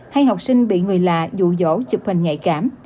hay học sinh bị người lạ dụ dỗ chụp hình nhạy cảm